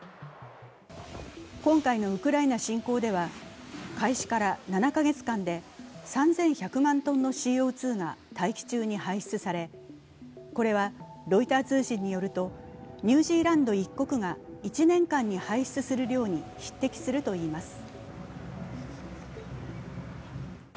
今回のウクライナ侵攻では、開始から７か月間で、３１００万トンのＣＯ２が大気中に排出されこれはロイター通信によるとニュージーランド一国が１年間に排出する量に匹敵するといいます。